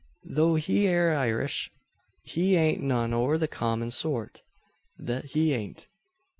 Though he air Irish, he aint none o' the common sort; thet he aint.